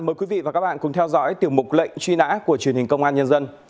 mời quý vị và các bạn cùng theo dõi tiểu mục lệnh truy nã của truyền hình công an nhân dân